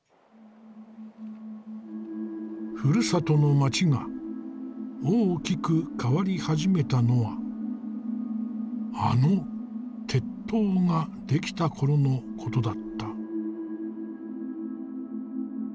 ふるさとの町が大きく変わり始めたのはあの鉄塔が出来た頃のことだった。